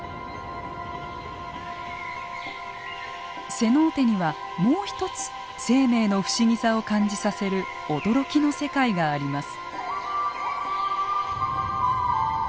セノーテにはもう一つ生命の不思議さを感じさせる驚きの世界があります。